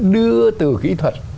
đưa từ kỹ thuật